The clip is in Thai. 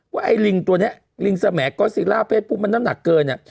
ว่าไอ้ลิงตัวนี้ลิงแสมกโกซิล่าเพศปุ๊บมันน้ำหนักเกิน